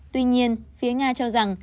tuy nhiên phía nga cho rằng